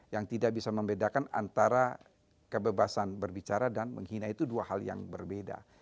yang tidak bisa membedakan antara kebebasan berbicara dan menghina itu dua hal yang berbeda